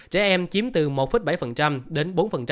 trẻ em chiếm từ một bảy đến bốn